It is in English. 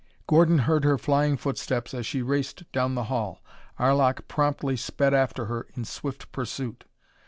Gordon heard her flying footsteps as she raced down the hall. Arlok promptly sped after her in swift pursuit.